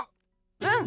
うん！